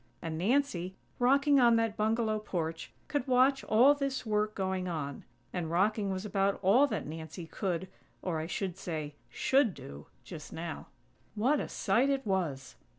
And Nancy, rocking on that bungalow porch, could watch all this work going on. And rocking was about all that Nancy could, or, I should say, should do, just now. What a sight it was!